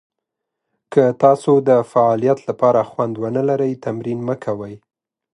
که تاسو د فعالیت لپاره خوند ونه لرئ، تمرین مه کوئ.